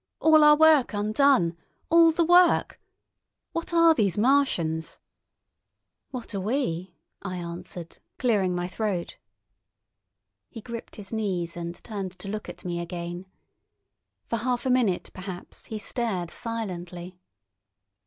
All our work undone, all the work—— What are these Martians?" "What are we?" I answered, clearing my throat. He gripped his knees and turned to look at me again. For half a minute, perhaps, he stared silently.